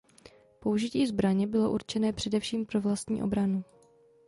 Použití zbraní bylo určené především pro vlastní obranu.